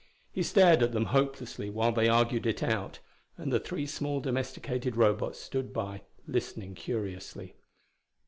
He stared at them hopelessly while they argued it out: and the three small domesticated Robots stood by, listening curiously.